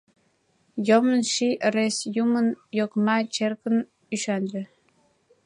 Йомын ший ырес — юмын йокма, черкын ӱшанже.